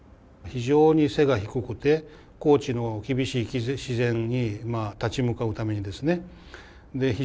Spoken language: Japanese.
非常に背が低くて高地の厳しい自然に立ち向かうためにですねで